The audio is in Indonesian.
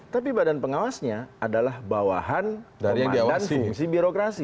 tapi badan pengawasnya adalah bawahan komandan fungsi birokrasi